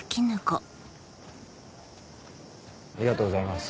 ありがとうございます。